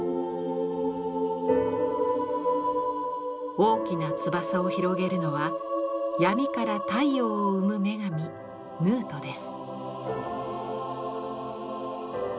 大きな翼を広げるのは闇から太陽を生む女神ヌウトです。